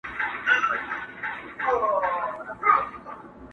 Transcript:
خو ګډوډي زياته ده،